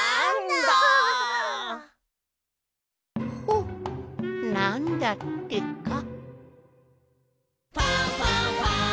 ほっなんだってか。